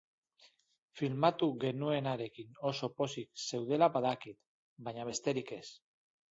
Filmatu genuenarekin oso pozik zeudela badakit, baina besterik ez.